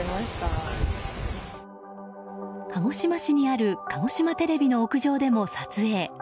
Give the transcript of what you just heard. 鹿児島市にある鹿児島テレビの屋上でも撮影。